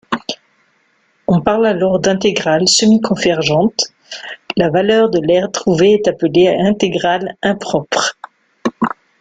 On parle alors d'intégrale semi-convergente, la valeur de l'aire trouvée est appelée Intégrale impropre.